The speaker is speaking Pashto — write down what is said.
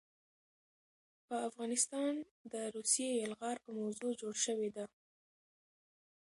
په افغانستان د روسي يلغار په موضوع جوړ شوے دے